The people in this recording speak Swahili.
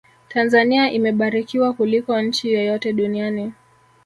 tanzania imebarikiwa kuliko nchi yoyote duniani